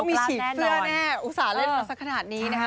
มีสีเสื้อแน่อุตส่าห์เล่นมาสักขนาดนี้นะคะ